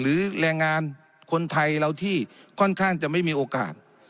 แรงงานคนไทยเราที่ค่อนข้างจะไม่มีโอกาส